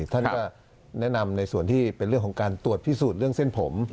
ท่านก็แนะนำในส่วนที่เป็นเรื่องของการตรวจพิสูจน์เรื่องเส้นผม